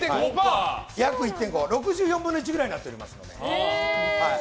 ６４分の１くらいになっておりますので。